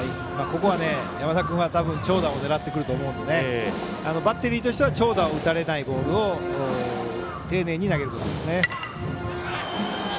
ここは山田君は長打を狙ってくると思うので、バッテリーとしては長打を打たれないボールを丁寧に投げることですね。